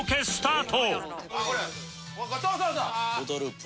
「『オドループ』」